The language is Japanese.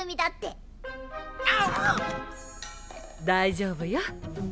大丈夫よ。